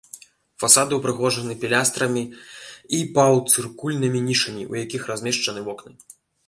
Фасады ўпрыгожаны пілястрамі і паўцыркульнымі нішамі, у якіх размешчаны вокны.